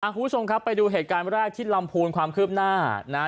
คุณผู้ชมครับไปดูเหตุการณ์แรกที่ลำพูนความคืบหน้านะ